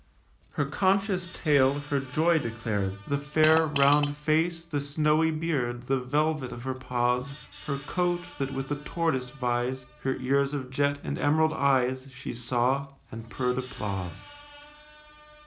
Her conscious tail her joy declared; The fair round face, the snowy beard, The velvet of her paws, Her coat, that with the tortoise vies, Her ears of jet, and emerald eyes, She saw; and purr'd applause.